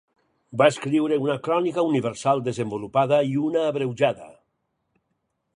Va escriure una crònica universal desenvolupada i una abreujada.